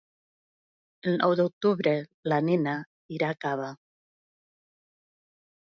El nou d'octubre na Nina irà a Cava.